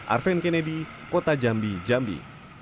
arven kennedy kota jambi jambi